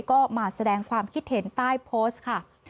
ก็มาแสดงความคิดเห็นใต้โพสต์ค่ะ